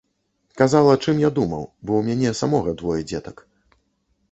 Казала, чым я думаў, бо ў мяне самога двое дзетак.